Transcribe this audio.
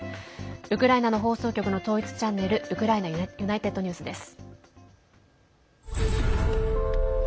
ウクライナの放送局の統一チャンネルウクライナＵｎｉｔｅｄＮｅｗｓです。